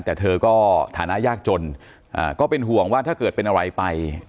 แต่เธอก็ฐานะยากจนก็เป็นห่วงว่าถ้าเกิดเป็นอะไรไป